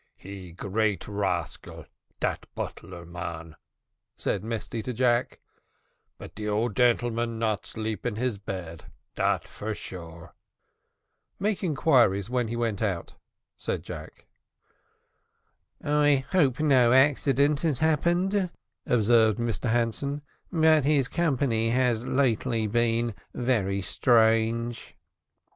"He great rascal dat butler man," said Mesty to Jack; "but de old gentleman not sleep in his bed, dat for sure." "Make inquiries when he went out," said Jack. "I hope no accident has happened," observed Mr Hanson; "but his company has lately been very strange."